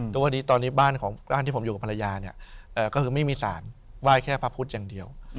ตอนนี้บ้านที่ผมอยู่กับภรรยาเนี่ยก็คือไม่มีศาลไหว้แค่ภาพพุธอย่างเดียว